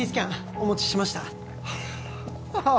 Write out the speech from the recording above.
お持ちしましたああ